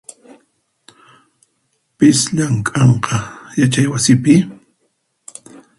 Pis llamk'anqa yachaywasipi?